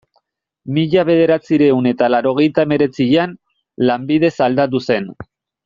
Mila bederatziehun eta laurogeita hemeretzian, lanbidez aldatu zen.